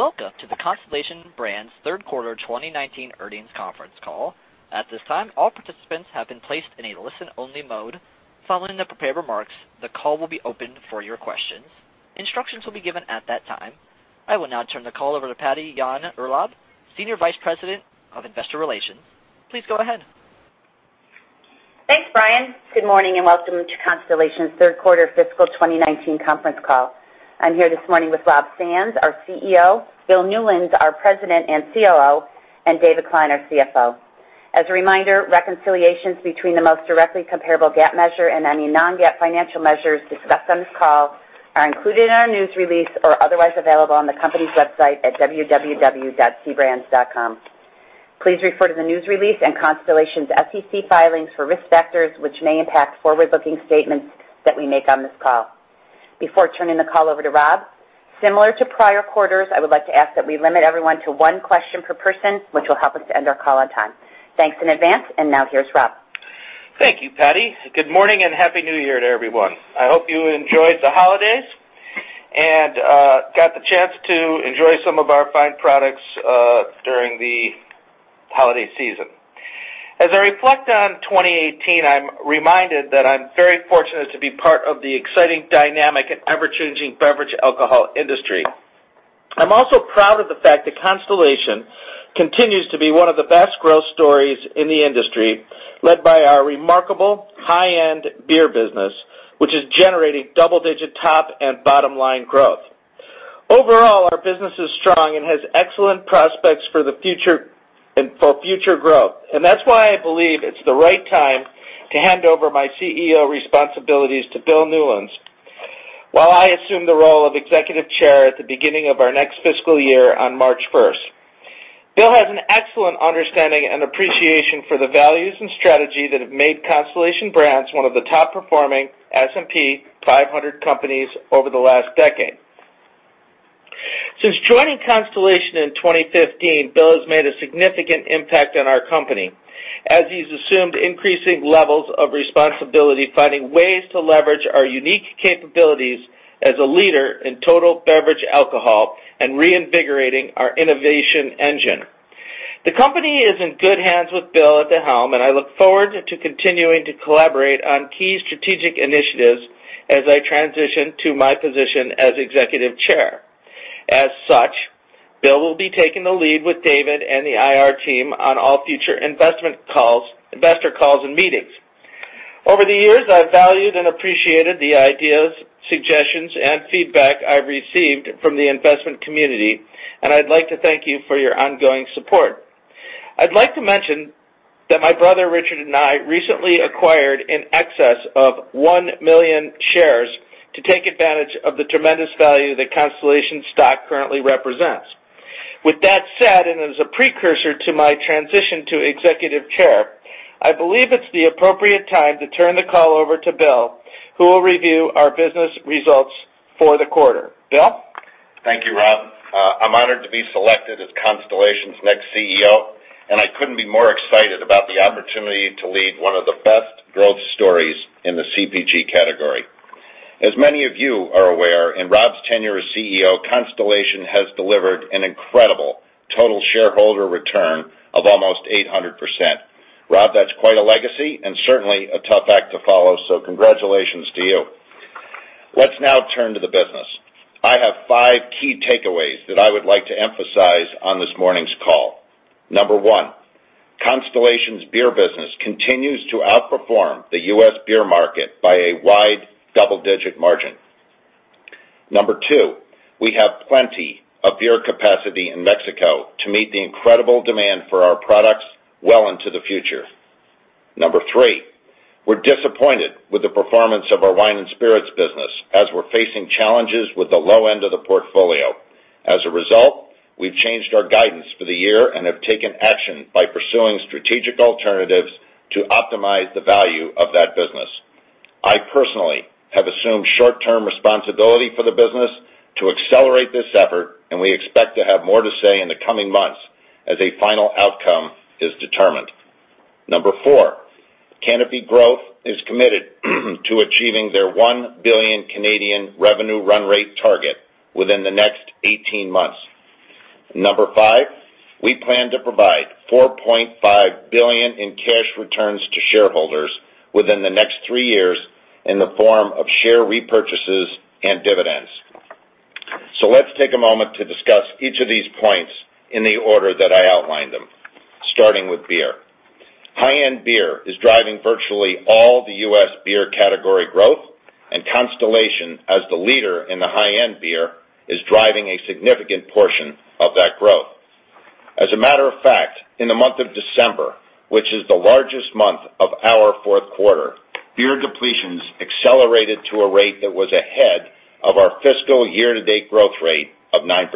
Welcome to the Constellation Brands Third Quarter 2019 Earnings Conference Call. At this time, all participants have been placed in a listen-only mode. Following the prepared remarks, the call will be opened for your questions. Instructions will be given at that time. I will now turn the call over to Patty Yahn-Urlaub, Senior Vice President of Investor Relations. Please go ahead. Thanks, Brian. Good morning and welcome to Constellation's Third Quarter Fiscal 2019 Conference Call. I'm here this morning with Rob Sands, our CEO, Bill Newlands, our President and COO, and David Klein, our CFO. As a reminder, reconciliations between the most directly comparable GAAP measure and any non-GAAP financial measures discussed on this call are included in our news release or otherwise available on the company's website at www.cbrands.com. Please refer to the news release and Constellation's SEC filings for risk factors which may impact forward-looking statements that we make on this call. Before turning the call over to Rob, similar to prior quarters, I would like to ask that we limit everyone to one question per person, which will help us to end our call on time. Thanks in advance. Now here's Rob. Thank you, Patty. Good morning and Happy New Year to everyone. I hope you enjoyed the holidays and got the chance to enjoy some of our fine products during the holiday season. As I reflect on 2018, I'm reminded that I'm very fortunate to be part of the exciting, dynamic, and ever-changing beverage alcohol industry. I'm also proud of the fact that Constellation continues to be one of the best growth stories in the industry, led by our remarkable high-end beer business, which is generating double-digit top and bottom-line growth. Overall, our business is strong and has excellent prospects for future growth. That's why I believe it's the right time to hand over my CEO responsibilities to Bill Newlands, while I assume the role of Executive Chair at the beginning of our next fiscal year on March 1st. Bill has an excellent understanding and appreciation for the values and strategy that have made Constellation Brands one of the top-performing S&P 500 companies over the last decade. Since joining Constellation in 2015, Bill has made a significant impact on our company, as he's assumed increasing levels of responsibility, finding ways to leverage our unique capabilities as a leader in total beverage alcohol, and reinvigorating our innovation engine. The company is in good hands with Bill at the helm, and I look forward to continuing to collaborate on key strategic initiatives as I transition to my position as Executive Chair. As such, Bill will be taking the lead with David and the IR team on all future investor calls and meetings. Over the years, I've valued and appreciated the ideas, suggestions, and feedback I received from the investment community. I'd like to thank you for your ongoing support. I'd like to mention that my brother Richard and I recently acquired in excess of 1 million shares to take advantage of the tremendous value that Constellation stock currently represents. With that said, as a precursor to my transition to Executive Chair, I believe it's the appropriate time to turn the call over to Bill, who will review our business results for the quarter. Bill? Thank you, Rob. I'm honored to be selected as Constellation's next CEO, I couldn't be more excited about the opportunity to lead one of the best growth stories in the CPG category. As many of you are aware, in Rob's tenure as CEO, Constellation has delivered an incredible total shareholder return of almost 800%. Rob, that's quite a legacy and certainly a tough act to follow, Congratulations to you. Let's now turn to the business. I have five key takeaways that I would like to emphasize on this morning's call. Number 1, Constellation's beer business continues to outperform the U.S. beer market by a wide double-digit margin. Number 2, we have plenty of beer capacity in Mexico to meet the incredible demand for our products well into the future. Number 3, we're disappointed with the performance of our wine and spirits business as we're facing challenges with the low end of the portfolio. As a result, we've changed our guidance for the year and have taken action by pursuing strategic alternatives to optimize the value of that business. I personally have assumed short-term responsibility for the business to accelerate this effort, We expect to have more to say in the coming months as a final outcome is determined. Number 4, Canopy Growth is committed to achieving their 1 billion revenue run rate target within the next 18 months. Number 5, we plan to provide $4.5 billion in cash returns to shareholders within the next three years in the form of share repurchases and dividends. Let's take a moment to discuss each of these points in the order that I outlined them, starting with beer. High-end beer is driving virtually all the U.S. beer category growth, Constellation, as the leader in the high-end beer, is driving a significant portion of that growth. As a matter of fact, in the month of December, which is the largest month of our fourth quarter, beer depletions accelerated to a rate that was ahead of our fiscal year-to-date growth rate of 9%.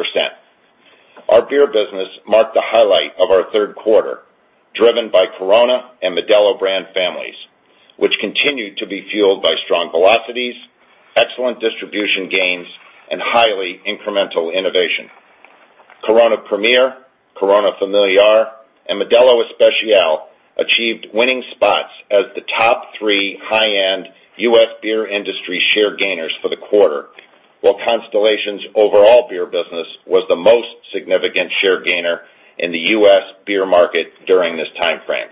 Our beer business marked the highlight of our third quarter, driven by Corona and Modelo brand families, which continued to be fueled by strong velocities, excellent distribution gains, highly incremental innovation. Corona Premier, Corona Familiar and Modelo Especial achieved winning spots as the top three high-end U.S. beer industry share gainers for the quarter, while Constellation's overall beer business was the most significant share gainer in the U.S. beer market during this timeframe.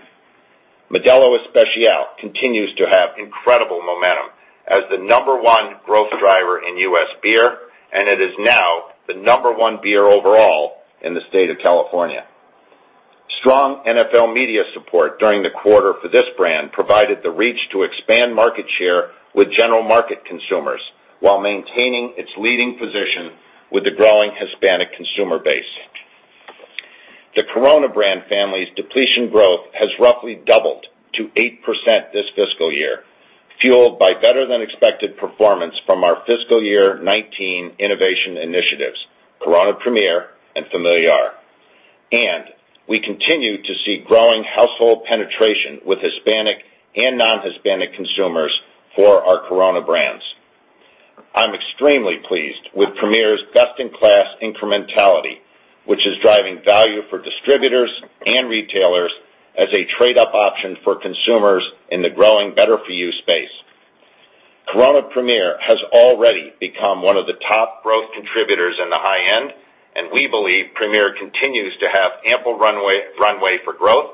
Modelo Especial continues to have incredible momentum as the number one growth driver in U.S. beer, it is now the number one beer overall in the state of California. Strong NFL media support during the quarter for this brand provided the reach to expand market share with general market consumers while maintaining its leading position with the growing Hispanic consumer base. The Corona brand family's depletion growth has roughly doubled to 8% this fiscal year, fueled by better than expected performance from our fiscal year 2019 innovation initiatives, Corona Premier and Familiar. We continue to see growing household penetration with Hispanic and non-Hispanic consumers for our Corona brands. I am extremely pleased with Premier's best-in-class incrementality, which is driving value for distributors and retailers as a trade-up option for consumers in the growing better-for-you space. Corona Premier has already become one of the top growth contributors in the high end, we believe Premier continues to have ample runway for growth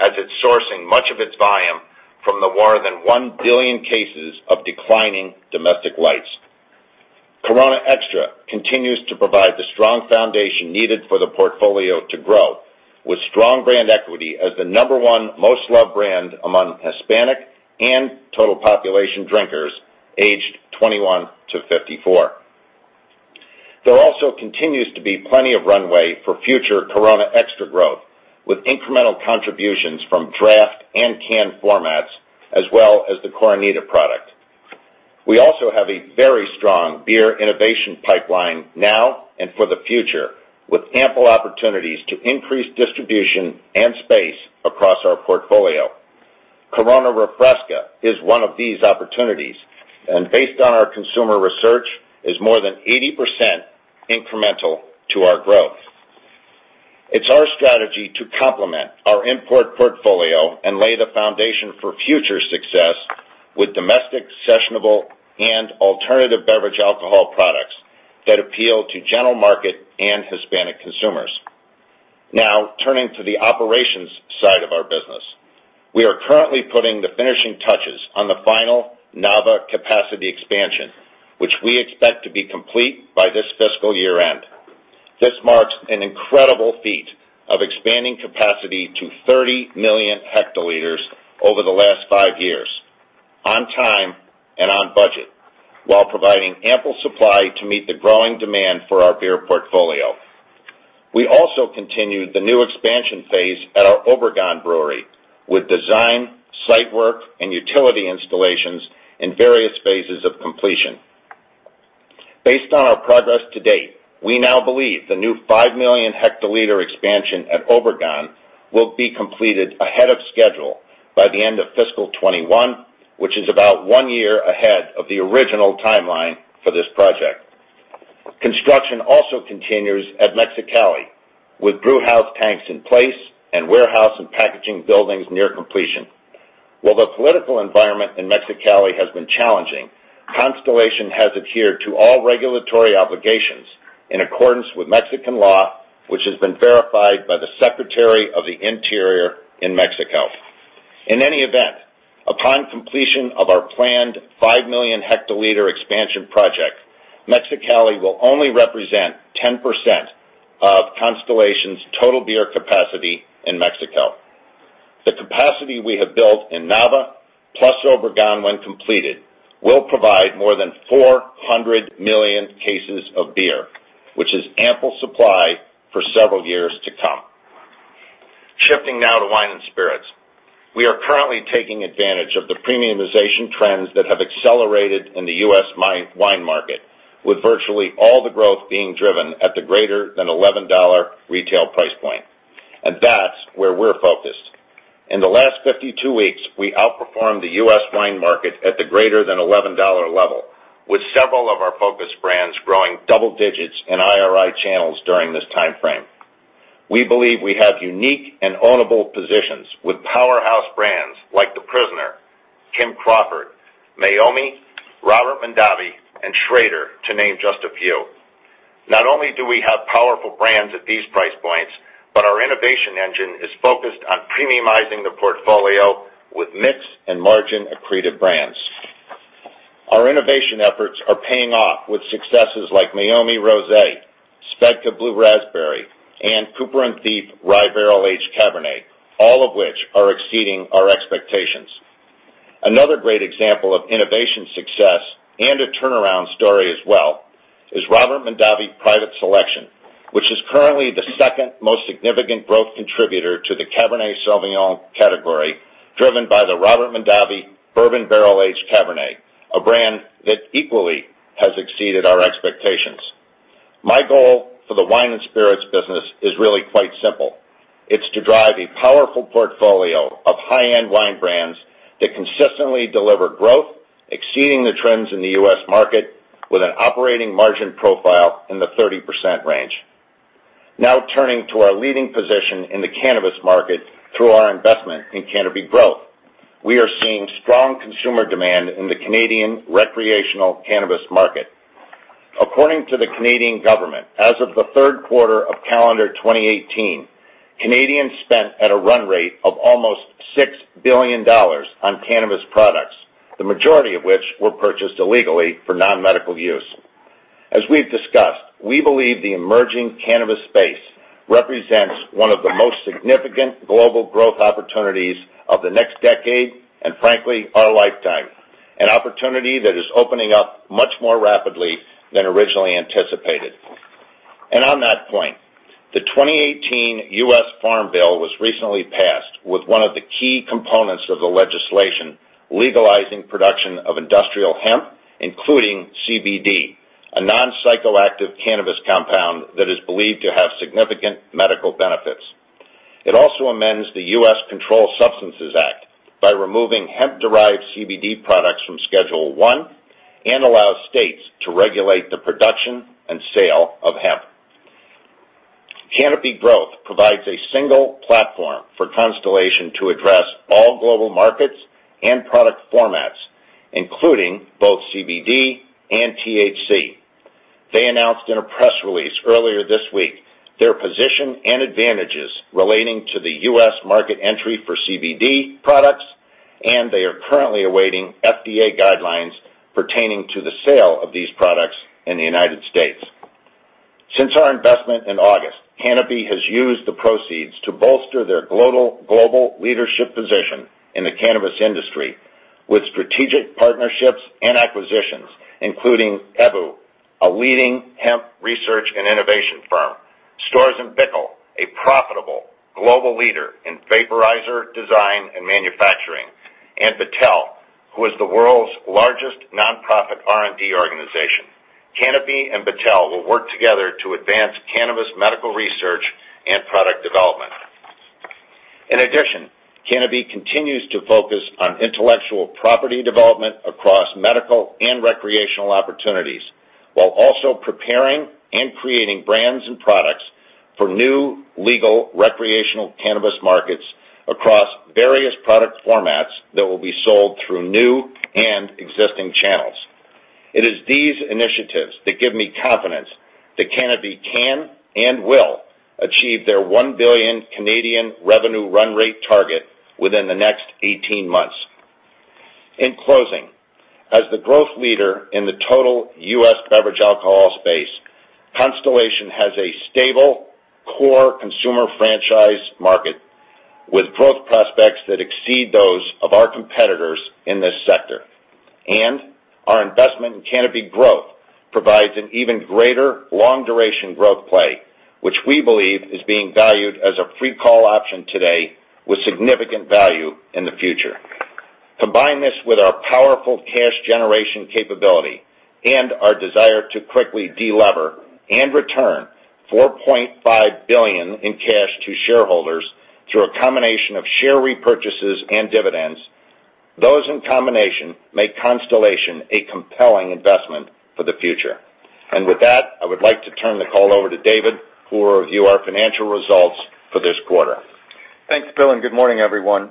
as it is sourcing much of its volume from the more than 1 billion cases of declining domestic lights. Corona Extra continues to provide the strong foundation needed for the portfolio to grow, with strong brand equity as the number one most loved brand among Hispanic and total population drinkers aged 21 to 54. There also continues to be plenty of runway for future Corona Extra growth, with incremental contributions from draft and can formats, as well as the Coronita product. We also have a very strong beer innovation pipeline now and for the future, with ample opportunities to increase distribution and space across our portfolio. Corona Refresca is one of these opportunities, based on our consumer research, is more than 80% incremental to our growth. It is our strategy to complement our import portfolio and lay the foundation for future success with domestic, sessionable, and alternative beverage alcohol products that appeal to general market and Hispanic consumers. Turning to the operations side of our business. We are currently putting the finishing touches on the final Nava capacity expansion, which we expect to be complete by this fiscal year-end. This marks an incredible feat of expanding capacity to 30 million hectoliters over the last five years, on time and on budget, while providing ample supply to meet the growing demand for our beer portfolio. We also continued the new expansion phase at our Obregon brewery with design, site work, and utility installations in various phases of completion. Based on our progress to date, we now believe the new 5 million hectoliter expansion at Obregon will be completed ahead of schedule by the end of fiscal 2021, which is about one year ahead of the original timeline for this project. Construction also continues at Mexicali, with brewhouse tanks in place and warehouse and packaging buildings near completion. While the political environment in Mexicali has been challenging, Constellation has adhered to all regulatory obligations in accordance with Mexican law, which has been verified by the Secretaría de Gobernación in Mexico. In any event, upon completion of our planned 5 million hectoliter expansion project, Mexicali will only represent 10% of Constellation's total beer capacity in Mexico. The capacity we have built in Nava, plus Obregon when completed, will provide more than 400 million cases of beer, which is ample supply for several years to come. Shifting now to wine and spirits. We are currently taking advantage of the premiumization trends that have accelerated in the U.S. wine market, with virtually all the growth being driven at the greater than $11 retail price point. That's where we're focused. In the last 52 weeks, we outperformed the U.S. wine market at the greater than $11 level, with several of our focus brands growing double digits in IRI channels during this timeframe. We believe we have unique and ownable positions with powerhouse brands like The Prisoner, Kim Crawford, Meiomi, Robert Mondavi, and Schrader, to name just a few. Not only do we have powerful brands at these price points, but our innovation engine is focused on premiumizing the portfolio with mix and margin accretive brands. Our innovation efforts are paying off with successes like Meiomi Rosé, SVEDKA Blue Raspberry, and Cooper & Thief Rye Barrel-Age Cabernet, all of which are exceeding our expectations. Another great example of innovation success, and a turnaround story as well, is Robert Mondavi Private Selection, which is currently the second most significant growth contributor to the Cabernet Sauvignon category, driven by the Robert Mondavi Bourbon Barrel-Aged Cabernet Sauvignon, a brand that equally has exceeded our expectations. My goal for the wine and spirits business is really quite simple. It's to drive a powerful portfolio of high-end wine brands that consistently deliver growth, exceeding the trends in the U.S. market, with an operating margin profile in the 30% range. Turning to our leading position in the cannabis market through our investment in Canopy Growth. We are seeing strong consumer demand in the Canadian recreational cannabis market. According to the Canadian government, as of the third quarter of calendar 2018, Canadians spent at a run rate of almost $6 billion on cannabis products, the majority of which were purchased illegally for non-medical use. As we've discussed, we believe the emerging cannabis space represents one of the most significant global growth opportunities of the next decade, and frankly, our lifetime. An opportunity that is opening up much more rapidly than originally anticipated. On that point, the 2018 U.S. Farm Bill was recently passed with one of the key components of the legislation legalizing production of industrial hemp, including CBD, a non-psychoactive cannabis compound that is believed to have significant medical benefits. It also amends the U.S. Controlled Substances Act by removing hemp-derived CBD products from Schedule I and allows states to regulate the production and sale of hemp. Canopy Growth provides a single platform for Constellation to address all global markets and product formats, including both CBD and THC. They announced in a press release earlier this week their position and advantages relating to the U.S. market entry for CBD products, and they are currently awaiting FDA guidelines pertaining to the sale of these products in the United States. Since our investment in August, Canopy has used the proceeds to bolster their global leadership position in the cannabis industry with strategic partnerships and acquisitions, including Ebbu, a leading hemp research and innovation firm. Storz & Bickel, a profitable global leader in vaporizer design and manufacturing. Battelle, who is the world's largest non-profit R&D organization. Canopy and Battelle will work together to advance cannabis medical research and product development. In addition, Canopy continues to focus on intellectual property development across medical and recreational opportunities, while also preparing and creating brands and products for new legal recreational cannabis markets across various product formats that will be sold through new and existing channels. It is these initiatives that give me confidence that Canopy can and will achieve their 1 billion revenue run rate target within the next 18 months. In closing, as the growth leader in the total U.S. beverage alcohol space, Constellation has a stable, core consumer franchise market with growth prospects that exceed those of our competitors in this sector. Our investment in Canopy Growth provides an even greater long-duration growth play, which we believe is being valued as a free call option today with significant value in the future. Combine this with our powerful cash generation capability and our desire to quickly de-lever and return $4.5 billion in cash to shareholders through a combination of share repurchases and dividends. Those in combination make Constellation a compelling investment for the future. With that, I would like to turn the call over to David, who will review our financial results for this quarter. Thanks, Bill, good morning, everyone.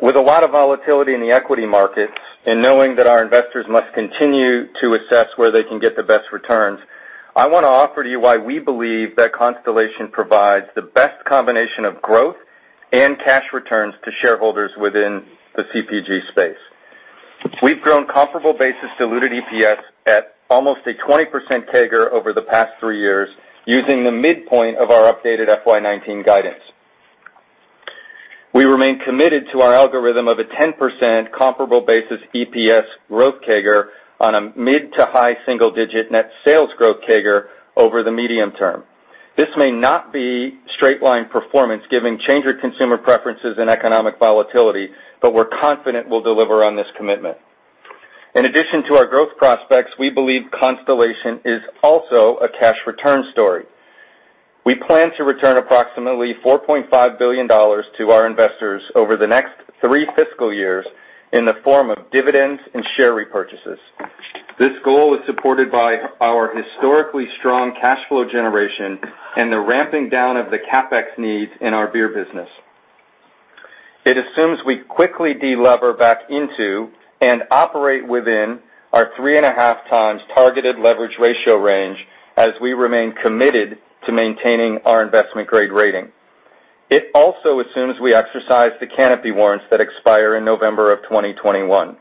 With a lot of volatility in the equity markets and knowing that our investors must continue to assess where they can get the best returns, I want to offer to you why we believe that Constellation provides the best combination of growth and cash returns to shareholders within the CPG space. We've grown comparable basis diluted EPS at almost a 20% CAGR over the past three years using the midpoint of our updated FY 2019 guidance. We remain committed to our algorithm of a 10% comparable basis EPS growth CAGR on a mid to high single-digit net sales growth CAGR over the medium term. This may not be straight line performance given change in consumer preferences and economic volatility, but we're confident we'll deliver on this commitment. In addition to our growth prospects, we believe Constellation is also a cash return story. We plan to return approximately $4.5 billion to our investors over the next three fiscal years in the form of dividends and share repurchases. This goal is supported by our historically strong cash flow generation and the ramping down of the CapEx needs in our beer business. It assumes we quickly de-lever back into and operate within our three and a half times targeted leverage ratio range as we remain committed to maintaining our investment grade rating. It also assumes we exercise the Canopy warrants that expire in November of 2021.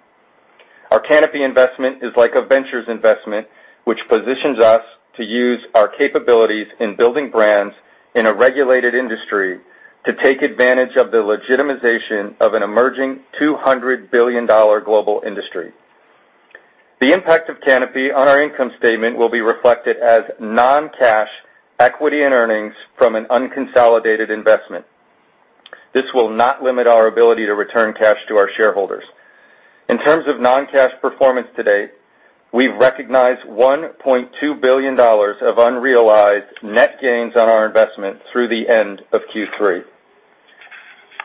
Our Canopy investment is like a ventures investment, which positions us to use our capabilities in building brands in a regulated industry to take advantage of the legitimization of an emerging $200 billion global industry. The impact of Canopy on our income statement will be reflected as non-cash, equity, and earnings from an unconsolidated investment. This will not limit our ability to return cash to our shareholders. In terms of non-cash performance to date, we've recognized $1.2 billion of unrealized net gains on our investment through the end of Q3.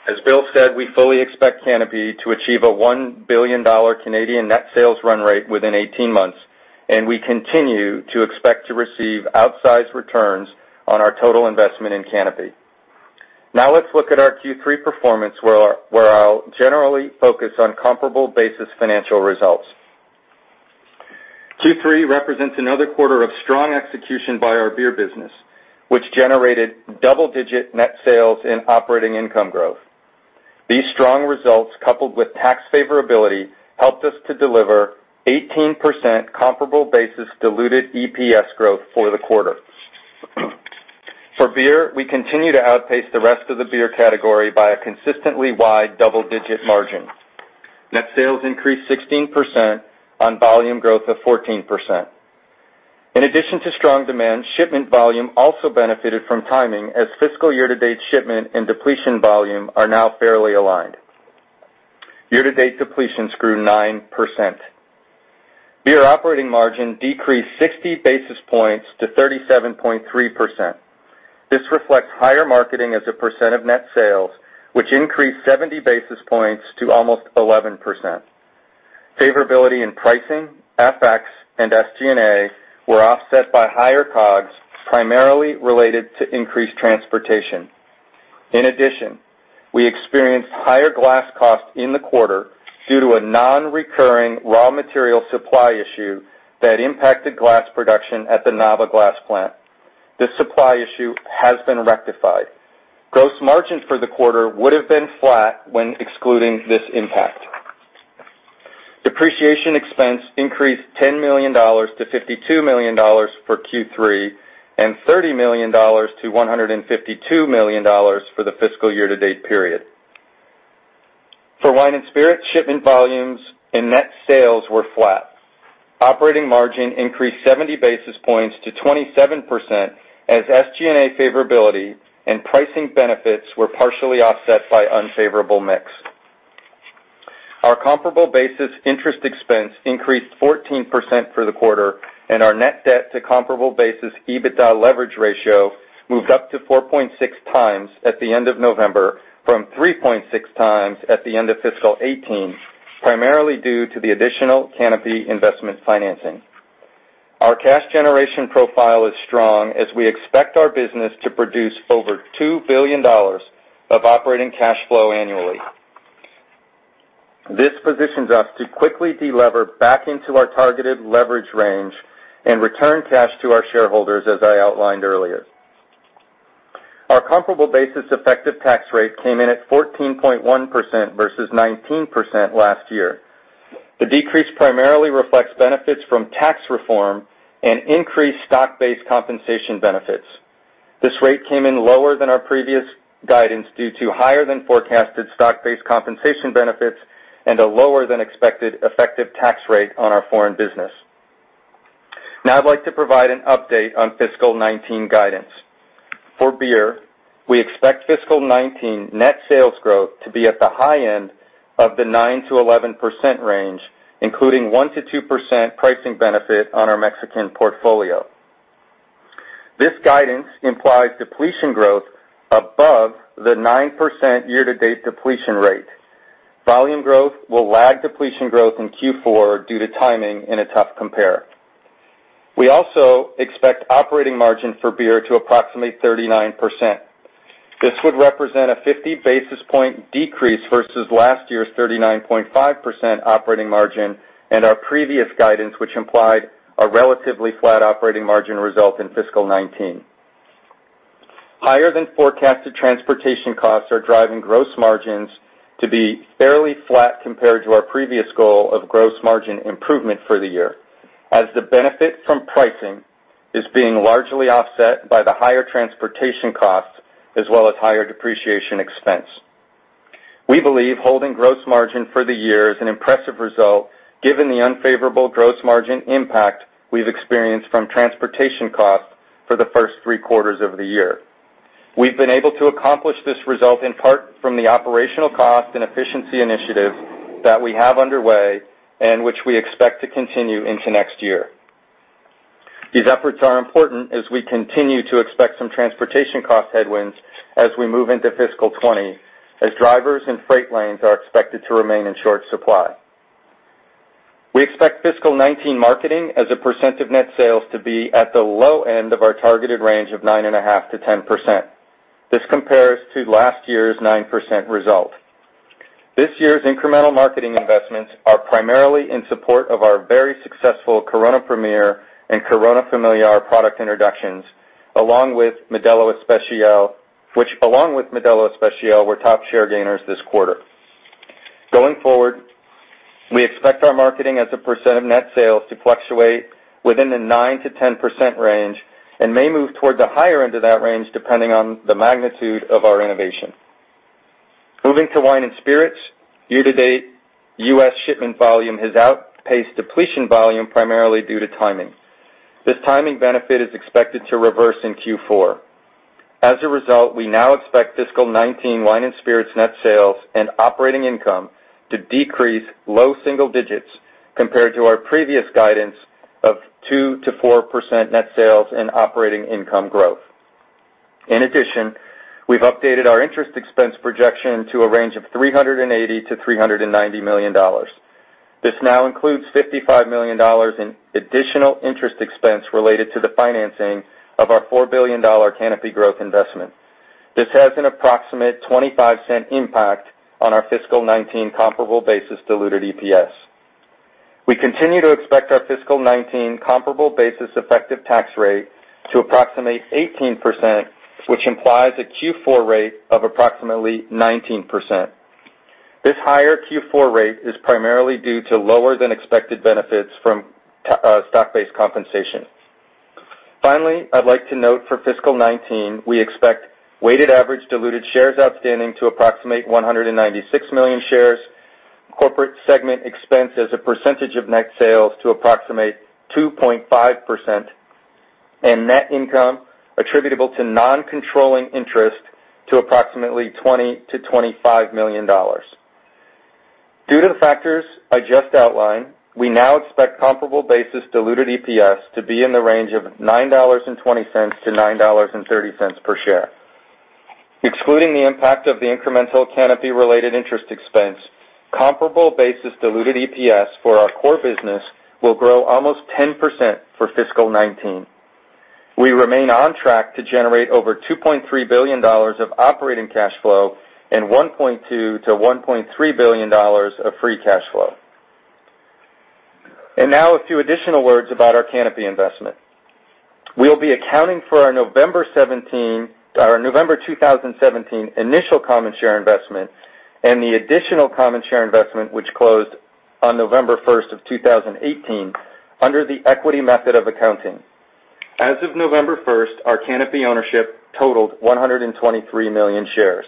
As Bill said, we fully expect Canopy to achieve a 1 billion Canadian dollars net sales run rate within 18 months, and we continue to expect to receive outsized returns on our total investment in Canopy. Now let's look at our Q3 performance where I'll generally focus on comparable basis financial results. Q3 represents another quarter of strong execution by our beer business, which generated double-digit net sales and operating income growth. These strong results, coupled with tax favorability, helped us to deliver 18% comparable basis diluted EPS growth for the quarter. For beer, we continue to outpace the rest of the beer category by a consistently wide double-digit margin. Net sales increased 16% on volume growth of 14%. In addition to strong demand, shipment volume also benefited from timing as fiscal year-to-date shipment and depletion volume are now fairly aligned. Year-to-date depletions grew 9%. Beer operating margin decreased 60 basis points to 37.3%. This reflects higher marketing as a percent of net sales, which increased 70 basis points to almost 11%. Favorability in pricing, FX, and SG&A were offset by higher COGS, primarily related to increased transportation. In addition, we experienced higher glass costs in the quarter due to a non-recurring raw material supply issue that impacted glass production at the Nava glass plant. This supply issue has been rectified. Gross margin for the quarter would have been flat when excluding this impact. Depreciation expense increased $10 million to $52 million for Q3, and $30 million to $152 million for the fiscal year-to-date period. For wine and spirits, shipment volumes and net sales were flat. Operating margin increased 70 basis points to 27% as SG&A favorability and pricing benefits were partially offset by unfavorable mix. Our comparable basis interest expense increased 14% for the quarter, and our net debt to comparable basis, EBITDA leverage ratio moved up to 4.6 times at the end of November from 3.6 times at the end of fiscal 2018, primarily due to the additional Canopy investment financing. Our cash generation profile is strong as we expect our business to produce over $2 billion of operating cash flow annually. This positions us to quickly delever back into our targeted leverage range and return cash to our shareholders as I outlined earlier. Our comparable basis effective tax rate came in at 14.1% versus 19% last year. The decrease primarily reflects benefits from tax reform and increased stock-based compensation benefits. This rate came in lower than our previous guidance due to higher than forecasted stock-based compensation benefits and a lower than expected effective tax rate on our foreign business. Now I'd like to provide an update on fiscal 2019 guidance. For beer, we expect fiscal 2019 net sales growth to be at the high end of the 9%-11% range, including 1%-2% pricing benefit on our Mexican portfolio. This guidance implies depletion growth above the 9% year-to-date depletion rate. Volume growth will lag depletion growth in Q4 due to timing in a tough compare. We also expect operating margin for beer to approximate 39%. This would represent a 50 basis point decrease versus last year's 39.5% operating margin and our previous guidance, which implied a relatively flat operating margin result in fiscal 2019. Higher than forecasted transportation costs are driving gross margins to be fairly flat compared to our previous goal of gross margin improvement for the year, as the benefit from pricing is being largely offset by the higher transportation costs as well as higher depreciation expense. We believe holding gross margin for the year is an impressive result given the unfavorable gross margin impact we've experienced from transportation costs for the first three quarters of the year. We've been able to accomplish this result in part from the operational cost and efficiency initiatives that we have underway and which we expect to continue into next year. These efforts are important as we continue to expect some transportation cost headwinds as we move into fiscal 2020, as drivers and freight lanes are expected to remain in short supply. We expect fiscal 2019 marketing as a percent of net sales to be at the low end of our targeted range of 9.5%-10%. This compares to last year's 9% result. This year's incremental marketing investments are primarily in support of our very successful Corona Premier and Corona Familiar product introductions, which along with Modelo Especial, were top share gainers this quarter. Going forward, we expect our marketing as a percent of net sales to fluctuate within the 9%-10% range and may move toward the higher end of that range depending on the magnitude of our innovation. Moving to wine and spirits, year to date, U.S. shipment volume has outpaced depletion volume primarily due to timing. This timing benefit is expected to reverse in Q4. As a result, we now expect fiscal 2019 wine and spirits net sales and operating income to decrease low single digits compared to our previous guidance of 2%-4% net sales and operating income growth. In addition, we've updated our interest expense projection to a range of $380 million-$390 million. This now includes $55 million in additional interest expense related to the financing of our $4 billion Canopy Growth investment. This has an approximate $0.25 impact on our fiscal 2019 comparable basis diluted EPS. We continue to expect our fiscal 2019 comparable basis effective tax rate to approximate 18%, which implies a Q4 rate of approximately 19%. This higher Q4 rate is primarily due to lower than expected benefits from stock-based compensation. Finally, I'd like to note for fiscal 2019, we expect weighted average diluted shares outstanding to approximate 196 million shares, corporate segment expense as a percentage of net sales to approximate 2.5%, and net income attributable to non-controlling interest to approximately $20 million-$25 million. Due to the factors I just outlined, we now expect comparable basis diluted EPS to be in the range of $9.20-$9.30 per share. Excluding the impact of the incremental Canopy-related interest expense, comparable basis diluted EPS for our core business will grow almost 10% for fiscal 2019. We remain on track to generate over $2.3 billion of operating cash flow and $1.2 billion-$1.3 billion of free cash flow. Now a few additional words about our Canopy investment. We'll be accounting for our November 2017 initial common share investment and the additional common share investment, which closed on November 1st of 2018, under the equity method of accounting. As of November 1st, our Canopy ownership totaled 123 million shares.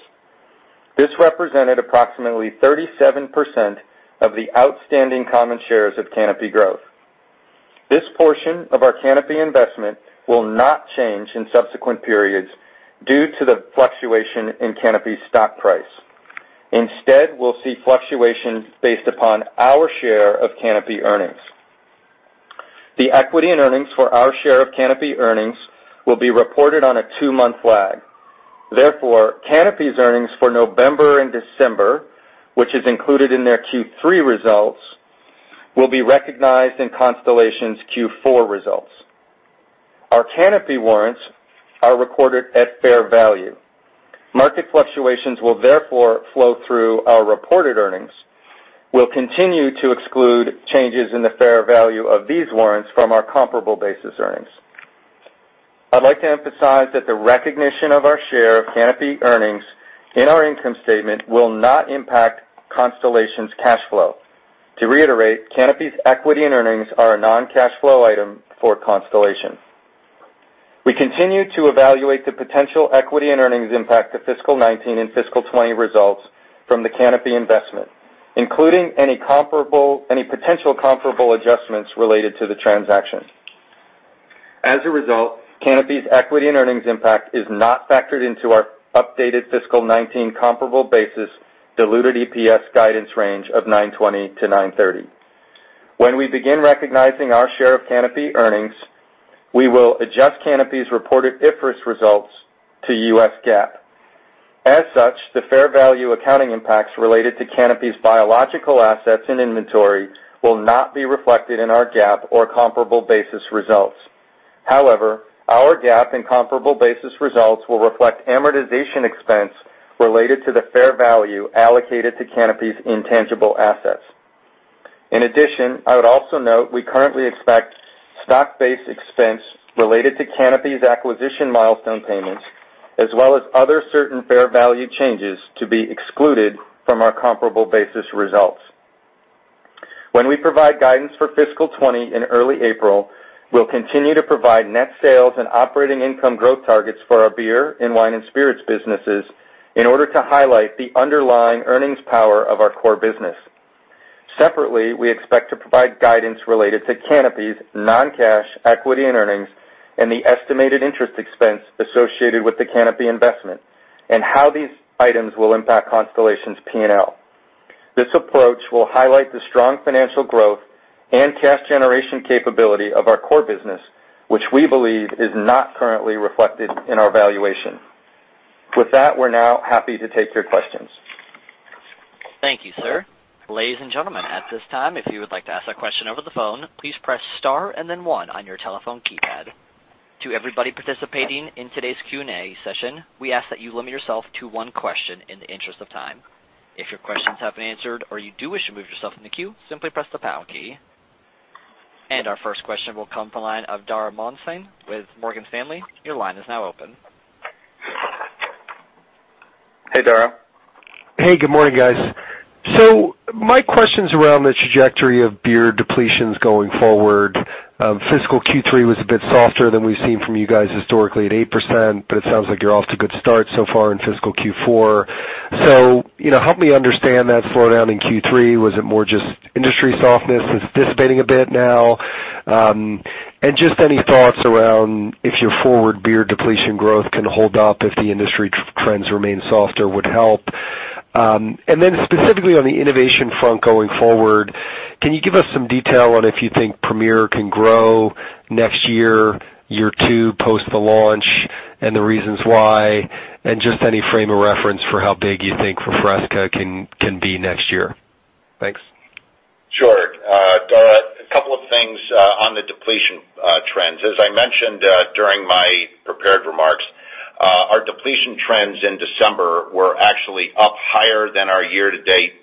This represented approximately 37% of the outstanding common shares of Canopy Growth. This portion of our Canopy investment will not change in subsequent periods due to the fluctuation in Canopy's stock price. Instead, we'll see fluctuations based upon our share of Canopy earnings. The equity and earnings for our share of Canopy earnings will be reported on a two-month lag. Canopy's earnings for November and December, which is included in their Q3 results, will be recognized in Constellation's Q4 results. Our Canopy warrants are recorded at fair value. Market fluctuations will therefore flow through our reported earnings. We'll continue to exclude changes in the fair value of these warrants from our comparable basis earnings. I'd like to emphasize that the recognition of our share of Canopy earnings in our income statement will not impact Constellation's cash flow. To reiterate, Canopy's equity and earnings are a non-cash flow item for Constellation. We continue to evaluate the potential equity and earnings impact to fiscal 2019 and fiscal 2020 results from the Canopy investment, including any potential comparable adjustments related to the transaction. Canopy's equity and earnings impact is not factored into our updated fiscal 2019 comparable basis diluted EPS guidance range of $9.20-$9.30. When we begin recognizing our share of Canopy earnings, we will adjust Canopy's reported IFRS results to US GAAP. The fair value accounting impacts related to Canopy's biological assets and inventory will not be reflected in our GAAP or comparable basis results. Our GAAP and comparable basis results will reflect amortization expense related to the fair value allocated to Canopy's intangible assets. I would also note we currently expect stock-based expense related to Canopy's acquisition milestone payments, as well as other certain fair value changes, to be excluded from our comparable basis results. When we provide guidance for fiscal 2020 in early April, we'll continue to provide net sales and operating income growth targets for our beer and wine and spirits businesses in order to highlight the underlying earnings power of our core business. Separately, we expect to provide guidance related to Canopy's non-cash equity and earnings and the estimated interest expense associated with the Canopy investment and how these items will impact Constellation's P&L. This approach will highlight the strong financial growth and cash generation capability of our core business, which we believe is not currently reflected in our valuation. With that, we're now happy to take your questions. Thank you, sir. Ladies and gentlemen, at this time, if you would like to ask a question over the phone, please press star and then one on your telephone keypad. To everybody participating in today's Q&A session, we ask that you limit yourself to one question in the interest of time. If your questions have been answered or you do wish to remove yourself from the queue, simply press the pound key. Our first question will come from the line of Dara Mohsenian with Morgan Stanley. Your line is now open. Hey, Dara. Hey, good morning, guys. My question's around the trajectory of beer depletions going forward. Fiscal Q3 was a bit softer than we've seen from you guys historically at 8%, but it sounds like you're off to a good start so far in fiscal Q4. Help me understand that slowdown in Q3. Was it more just industry softness that's dissipating a bit now? Just any thoughts around if your forward beer depletion growth can hold up if the industry trends remain softer would help. Specifically on the innovation front going forward, can you give us some detail on if you think Premier can grow next year two post the launch, and the reasons why, and just any frame of reference for how big you think Refresca can be next year? Thanks. Sure. Dara, a couple of things on the depletion trends. As I mentioned during my prepared remarks, our depletion trends in December were actually up higher than our year-to-date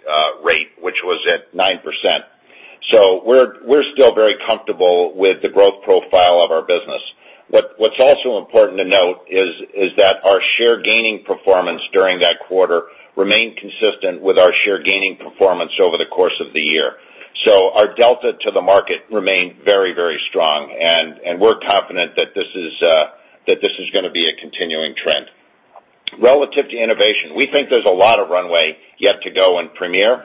rate, which was at 9%. We're still very comfortable with the growth profile of our business. What's also important to note is that our share gaining performance during that quarter remained consistent with our share gaining performance over the course of the year. Our delta to the market remained very strong, and we're confident that this is going to be a continuing trend. Relative to innovation, we think there's a lot of runway yet to go in Premier.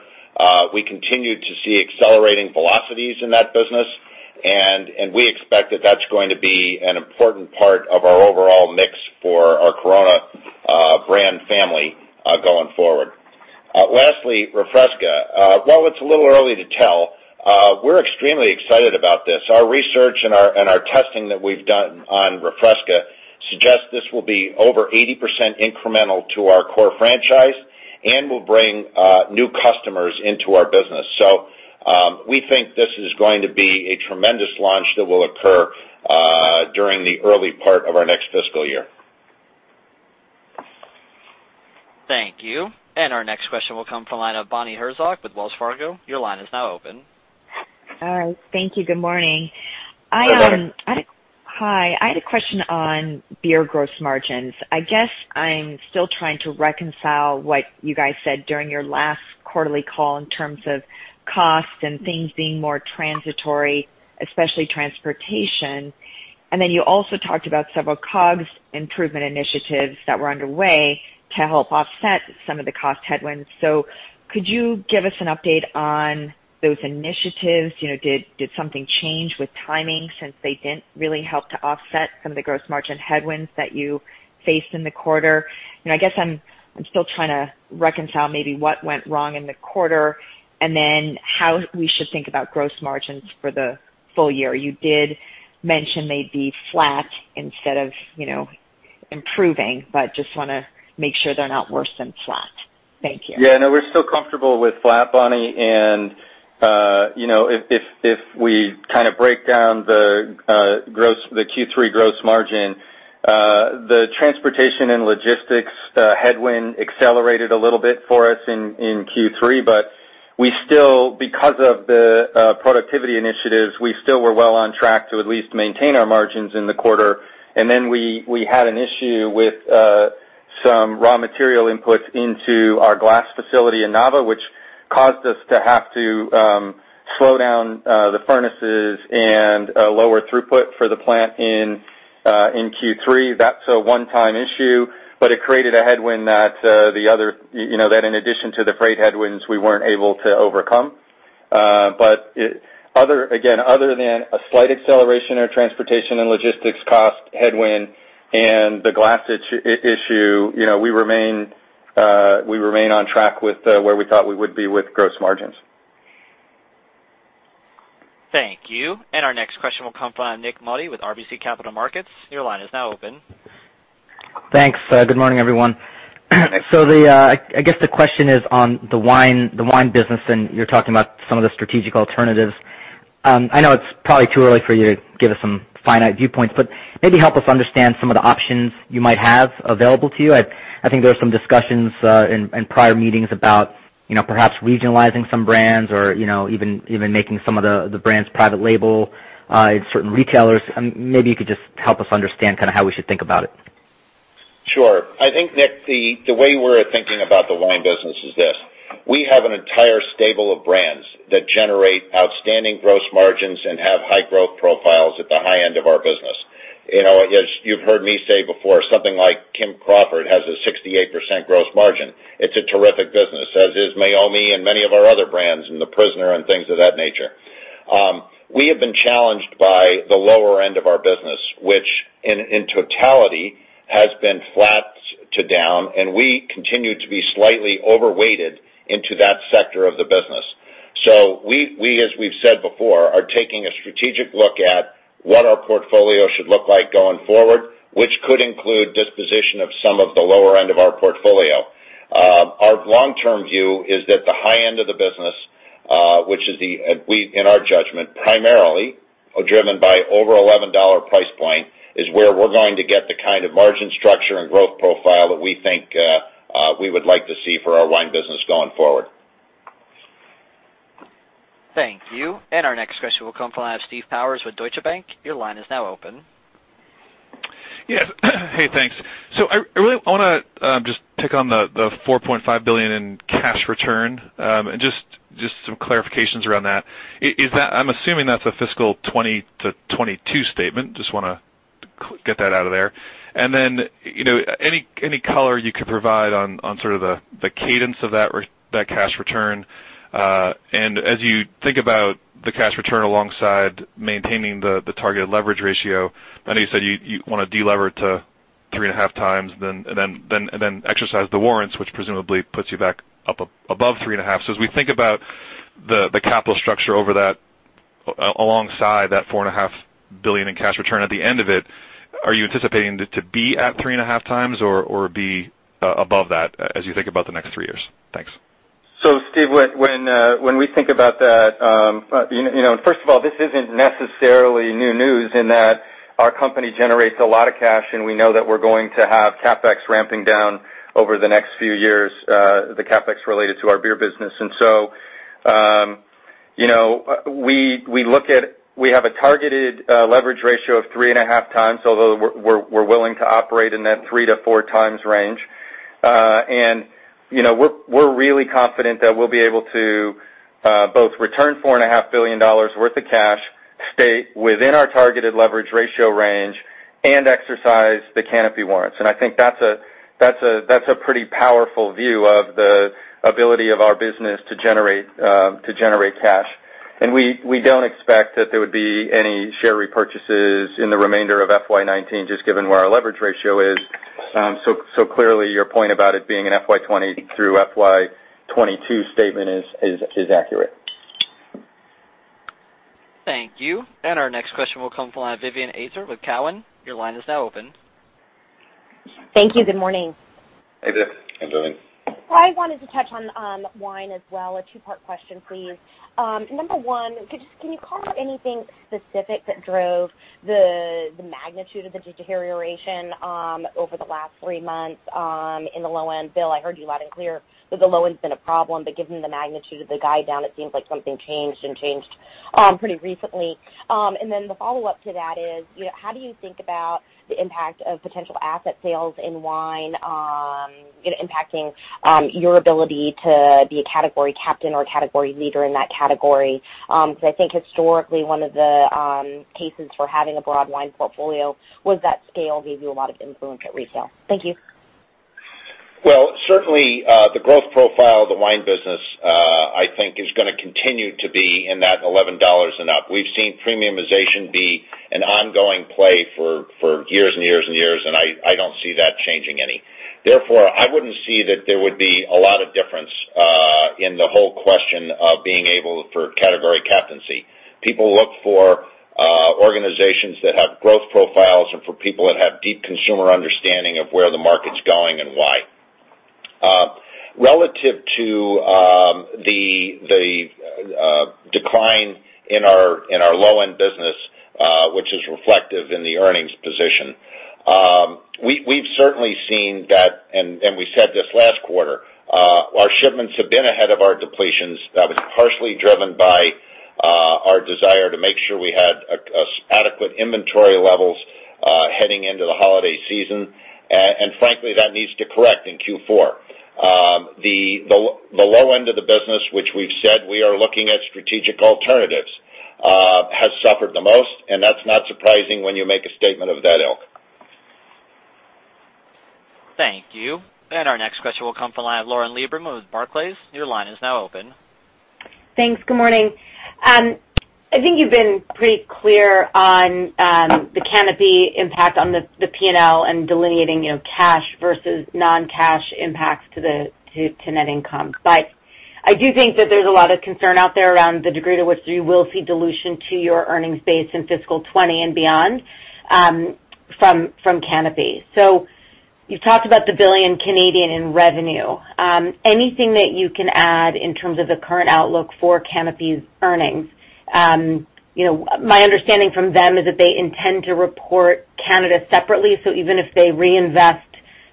We continue to see accelerating velocities in that business, and we expect that that's going to be an important part of our overall mix for our Corona brand family, going forward. Lastly, Refresca. While it's a little early to tell, we're extremely excited about this. Our research and our testing that we've done on Refresca suggest this will be over 80% incremental to our core franchise and will bring new customers into our business. We think this is going to be a tremendous launch that will occur during the early part of our next fiscal year. Thank you. Our next question will come from the line of Bonnie Herzog with Wells Fargo. Your line is now open. Thank you. Good morning. Hi, Bonnie. Hi. I had a question on beer gross margins. I guess I'm still trying to reconcile what you guys said during your last quarterly call in terms of costs and things being more transitory, especially transportation. You also talked about several COGS improvement initiatives that were underway to help offset some of the cost headwinds. Could you give us an update on those initiatives? Did something change with timing since they didn't really help to offset some of the gross margin headwinds that you faced in the quarter? I guess I'm still trying to reconcile maybe what went wrong in the quarter, and then how we should think about gross margins for the full year. You did mention they'd be flat instead of improving, just want to make sure they're not worse than flat. Thank you. Yeah, no, we're still comfortable with flat, Bonnie. If we kind of break down the Q3 gross margin, the transportation and logistics headwind accelerated a little bit for us in Q3, because of the productivity initiatives, we still were well on track to at least maintain our margins in the quarter. We had an issue with some raw material inputs into our glass facility in Nava, which caused us to have to slow down the furnaces and lower throughput for the plant in Q3. That's a one-time issue, but it created a headwind that in addition to the freight headwinds, we weren't able to overcome. Other than a slight acceleration in our transportation and logistics cost headwind and the glass issue, we remain on track with where we thought we would be with gross margins. Thank you. Our next question will come from Nik Modi with RBC Capital Markets. Your line is now open. Thanks. Good morning, everyone. Nik. I guess the question is on the wine business, and you're talking about some of the strategic alternatives. I know it's probably too early for you to give us some finite viewpoints, but maybe help us understand some of the options you might have available to you. I think there were some discussions in prior meetings about perhaps regionalizing some brands or even making some of the brands private label in certain retailers. Maybe you could just help us understand how we should think about it. Sure. I think, Nik, the way we're thinking about the wine business is this. We have an entire stable of brands that generate outstanding gross margins and have high growth profiles at the high end of our business. As you've heard me say before, something like Kim Crawford has a 68% gross margin. It's a terrific business, as is Meiomi and many of our other brands, and The Prisoner and things of that nature. We have been challenged by the lower end of our business, which in totality has been flat to down, and we continue to be slightly overweighted into that sector of the business. We, as we've said before, are taking a strategic look at what our portfolio should look like going forward, which could include disposition of some of the lower end of our portfolio. Our long-term view is that the high end of the business, which is, in our judgment, primarily driven by over $11 price point, is where we're going to get the kind of margin structure and growth profile that we think we would like to see for our wine business going forward. Thank you. Our next question will come from Steve Powers with Deutsche Bank. Your line is now open. Yes. Hey, thanks. I really want to just pick on the $4.5 billion in cash return, and just some clarifications around that. I'm assuming that's a FY 2020 to FY 2022 statement. Just want to get that out of there. Any color you could provide on sort of the cadence of that cash return. As you think about the cash return alongside maintaining the targeted leverage ratio, I know you said you want to de-lever to 3.5 times, then exercise the warrants, which presumably puts you back up above 3.5. As we think about the capital structure over that, alongside that $4.5 billion in cash return at the end of it, are you anticipating it to be at 3.5 times or be above that as you think about the next three years? Thanks. Steve, when we think about that, first of all, this isn't necessarily new news in that our company generates a lot of cash, we know that we're going to have CapEx ramping down over the next few years, the CapEx related to our beer business. We have a targeted leverage ratio of 3.5 times, although we're willing to operate in that 3-4 times range. We're really confident that we'll be able to both return $4.5 billion worth of cash, stay within our targeted leverage ratio range, exercise the Canopy warrants. I think that's a pretty powerful view of the ability of our business to generate cash. We don't expect that there would be any share repurchases in the remainder of FY 2019, just given where our leverage ratio is. Clearly, your point about it being an FY 2020 through FY 2022 statement is accurate. Thank you. Our next question will come from Vivien Azer with Cowen. Your line is now open. Thank you. Good morning. Hey, Viv. Hi, Vivien. I wanted to touch on wine as well. A two-part question, please. Number one, can you call out anything specific that drove the magnitude of the deterioration over the last three months in the low end? Bill, I heard you loud and clear that the low end's been a problem, but given the magnitude of the guide down, it seems like something changed, and changed pretty recently. The follow-up to that is, how do you think about the impact of potential asset sales in wine impacting your ability to be a category captain or a category leader in that category? I think historically, one of the cases for having a broad wine portfolio was that scale gave you a lot of influence at resale. Thank you. Well, certainly, the growth profile of the wine business, I think is going to continue to be in that $11 and up. We've seen premiumization be an ongoing play for years and years. I don't see that changing any. Therefore, I wouldn't see that there would be a lot of difference in the whole question of being able for category captaincy. People look for organizations that have growth profiles and for people that have deep consumer understanding of where the market's going and why. Relative to the decline in our low-end business, which is reflective in the earnings position, we've certainly seen that, and we said this last quarter. Our shipments have been ahead of our depletions. That was partially driven by our desire to make sure we had adequate inventory levels heading into the holiday season. Frankly, that needs to correct in Q4. The low end of the business, which we've said we are looking at strategic alternatives, has suffered the most, and that's not surprising when you make a statement of that ilk. Thank you. Our next question will come from the line of Lauren Lieberman with Barclays. Your line is now open. Thanks. Good morning. I think you've been pretty clear on the Canopy impact on the P&L and delineating cash versus non-cash impacts to net income. I do think that there's a lot of concern out there around the degree to which you will see dilution to your earnings base in fiscal 2020 and beyond from Canopy. You've talked about the 1 billion in revenue. Anything that you can add in terms of the current outlook for Canopy's earnings? My understanding from them is that they intend to report Canada separately, so even if they reinvest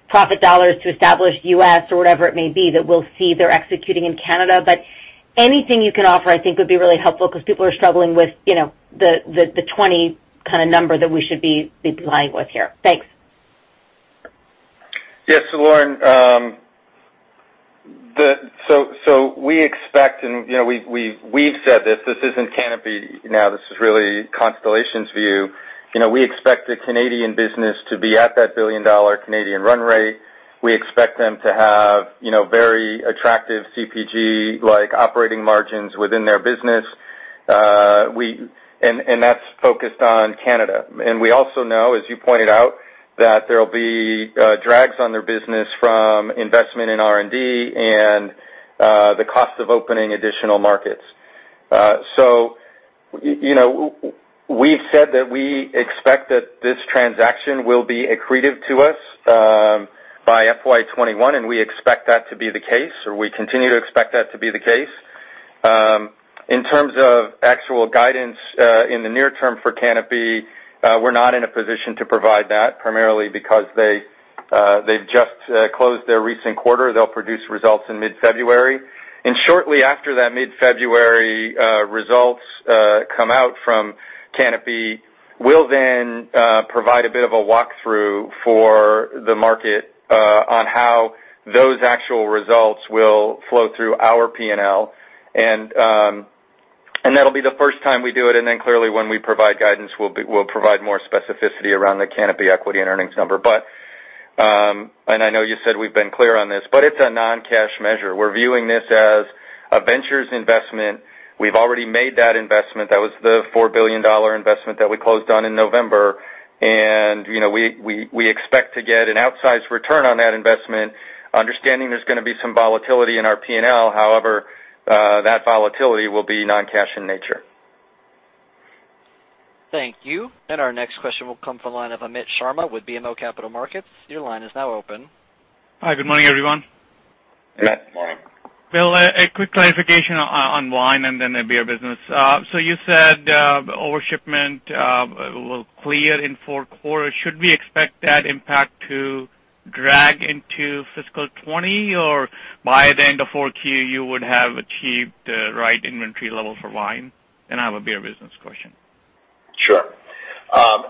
profit dollars to establish U.S. or whatever it may be, that we'll see they're executing in Canada. Anything you can offer, I think, would be really helpful because people are struggling with the 20 kind of number that we should be plying with here. Thanks. Yes. Lauren, we expect, and we've said this isn't Canopy now. This is really Constellation Brands's view. We expect the Canadian business to be at that 1 billion dollar run rate. We expect them to have very attractive CPG-like operating margins within their business. That's focused on Canada. We also know, as you pointed out, that there'll be drags on their business from investment in R&D and the cost of opening additional markets. We've said that we expect that this transaction will be accretive to us by FY 2021, and we expect that to be the case, or we continue to expect that to be the case. In terms of actual guidance in the near term for Canopy, we're not in a position to provide that, primarily because they've just closed their recent quarter. They'll produce results in mid-February. Shortly after that mid-February results come out from Canopy, we'll then provide a bit of a walkthrough for the market on how those actual results will flow through our P&L. That'll be the first time we do it, then clearly when we provide guidance, we'll provide more specificity around the Canopy equity and earnings number. I know you said we've been clear on this, but it's a non-cash measure. We're viewing this as a ventures investment. We've already made that investment. That was the $4 billion investment that we closed on in November, and we expect to get an outsized return on that investment, understanding there's going to be some volatility in our P&L. However, that volatility will be non-cash in nature. Thank you. Our next question will come from the line of Amit Sharma with BMO Capital Markets. Your line is now open. Hi. Good morning, everyone. Amit, good morning. Bill, a quick clarification on wine and then the beer business. You said overshipment will clear in 4 quarters. Should we expect that impact to drag into fiscal 2020, or by the end of 4Q, you would have achieved the right inventory level for wine? I have a beer business question. Sure.